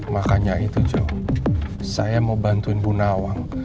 makanya itu joh saya mau bantuin bu nawang